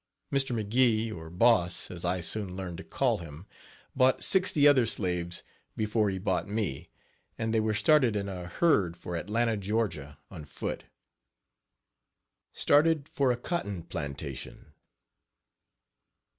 Mr. McGee, or "Boss," as I soon learned to call him, bought sixty other slaves before he bought me, and they were started in a herd for Atlanta, Ga., on foot. STARTED FOR A COTTON PLANTATION.